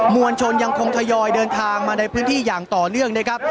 วลชนยังคงทยอยเดินทางมาในพื้นที่อย่างต่อเนื่องนะครับ